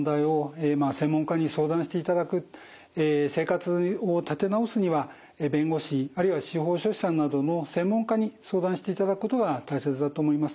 また生活を立て直すには弁護士あるいは司法書士さんなどの専門家に相談していただくことが大切だと思います。